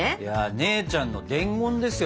姉ちゃんの伝言ですよ